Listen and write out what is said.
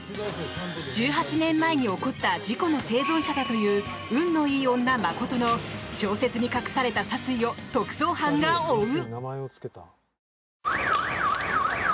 １８年前に起こった事故の生存者だという運のいい女、真琴の小説に隠された殺意を特捜班が追う！